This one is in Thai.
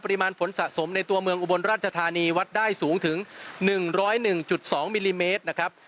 ปริมาณฝนสะสมในตัวเมืองอุบลราชธานีวัดได้สูงถึง๑๐๑๒มิลลิเมตรนะครับ